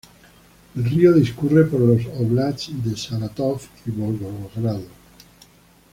El río discurre por los "óblasts" de Sarátov y Volgogrado.